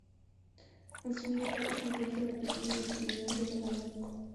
Al sur del lago se encuentra la pequeña localidad de Lago Blanco.